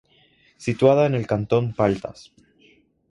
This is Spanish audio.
Situada en el Cantón Paltas.